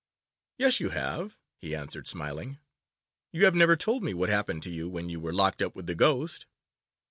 'Yes, you have,' he answered, smiling, 'you have never told me what happened to you when you were locked up with the ghost.